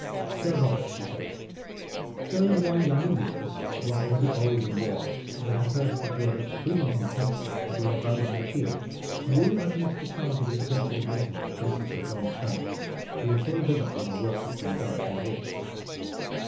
"Sir Robert," he said, "though you are young in years you are already old in war, and I have heard that you are as prudent in council as you are valiant in the field. To you I commit the charge of this venture to Brittany in place of Sir John Chandos, who will follow thither when our work has been done upon the waters.